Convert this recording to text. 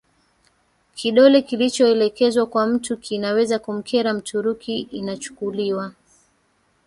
kidole kilichoelekezwa kwa mtu kinaweza kumkera Mturuki Inachukuliwa